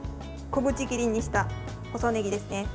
小口切りにした細ねぎですね。